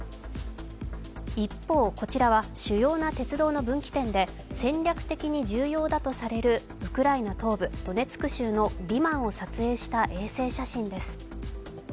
一方、こちらは主要な鉄道の分岐点で戦略的に重要だとされるウクライナ東部ドネツク州リマンを撮影した衛星写真です。